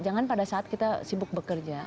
jangan pada saat kita sibuk bekerja